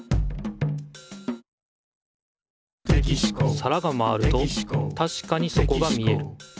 皿が回るとたしかに底が見える。